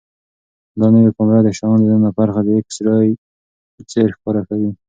دا نوې کامره د شیانو دننه برخه د ایکس ری په څېر ښکاره کوي.